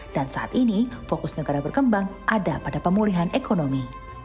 dan saat ini fokus negara berkembang ada pada pemulihan ekonomi